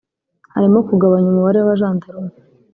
harimo kugabanya umubare w’abajandarume